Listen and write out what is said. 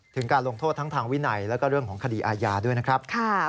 การลงโทษทั้งทางวินัยแล้วก็เรื่องของคดีอาญาด้วยนะครับ